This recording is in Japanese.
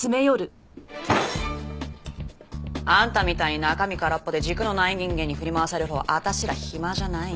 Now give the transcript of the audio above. あんたみたいに中身空っぽで軸のない人間に振り回されるほど私ら暇じゃないんで。